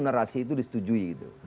narasi itu disetujui